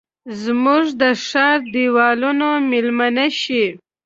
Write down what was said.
زموږ د ښارد دیوالونو میلمنه شي